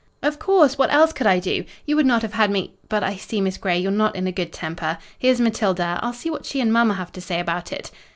"Of course! what else could I do? You would not have had me—but I see, Miss Grey, you're not in a good temper. Here's Matilda; I'll see what she and mamma have to say about it."